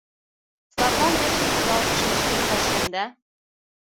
Садлан верчын кудалтышыч, йолташем да.